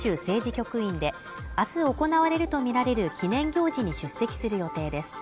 局員で明日行われるとみられる記念行事に出席する予定です